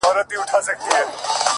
له څه مودې ترخ يم خـــوابــــدې هغه!!